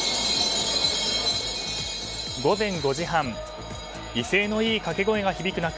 午前５時半威勢のいいかけ声が響く中